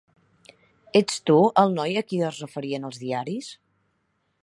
Ets tu el noi a qui es referien els diaris?